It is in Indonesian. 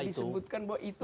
tidak ada itu